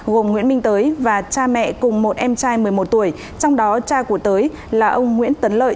gồm nguyễn minh tới và cha mẹ cùng một em trai một mươi một tuổi trong đó cha của tới là ông nguyễn tấn lợi